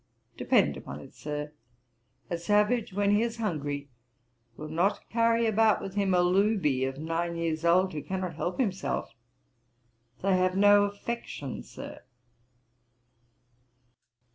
Depend upon it, Sir, a savage, when he is hungry, will not carry about with him a looby of nine years old, who cannot help himself. They have no affection, Sir.'